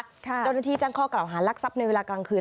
เจ้าหน้าที่แจ้งข้อกล่าวหารักทรัพย์ในเวลากลางคืน